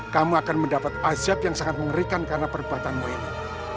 kamu akan mendapat ajab yang sangat mengerikan karena perbuatanmu ini